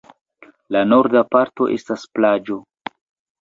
La norda parto estas plaĝo.